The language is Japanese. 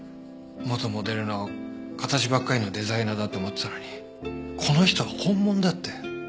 元モデルの形ばっかりのデザイナーだと思ってたのにこの人は本物だって。